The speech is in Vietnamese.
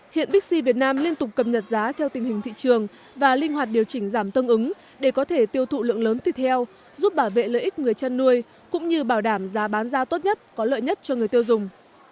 hiện bixi việt nam liên tục cập nhật giá theo tình hình thị trường và linh hoạt điều chỉnh giảm tương ứng để có thể tiêu thụ lượng lớn thịt heo giúp bảo vệ lợi ích người chăn nuôi cũng như bảo đảm giá bán ra tốt nhất có lợi nhất cho người tiêu dùng